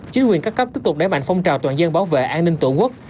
chính quyền các cấp tiếp tục đẩy mạnh phong trào toàn dân bảo vệ an ninh tổ quốc